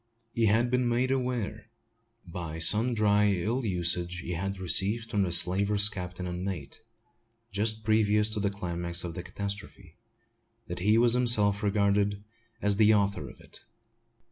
He had been made aware, by sundry ill usage he had received from the slaver's captain and mate, just previous to the climax of the catastrophe, that he was himself regarded as the author of it.